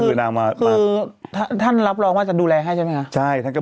คือท่านรับรองว่าจะดูแลใช่ไหมคะ